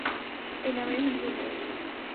এই নামের এখানে কেউ নাই।